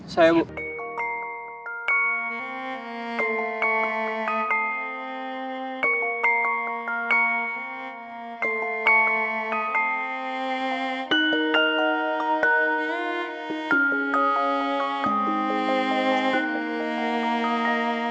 ya silahkan pasangan nomor satu